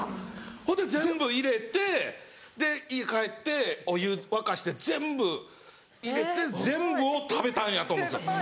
ほんで全部入れて家帰ってお湯沸かして全部入れて全部を食べたんやと思うんですよ。